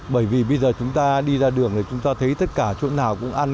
bởi vì bây giờ chúng ta đi ra đường thì chúng ta thấy tất cả chỗ nào cũng ăn